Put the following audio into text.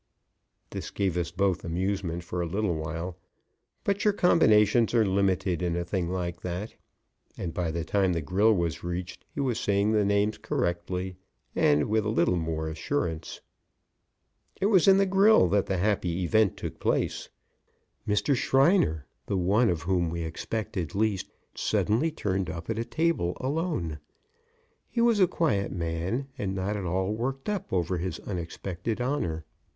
This gave us both amusement for a little while, but your combinations are limited in a thing like that, and by the time the grill was reached he was saying the names correctly and with a little more assurance. It was in the grill that the happy event took place. Mr. Shriner, the one of whom we expected least, suddenly turned up at a table alone. He was a quiet man and not at all worked up over his unexpected honor.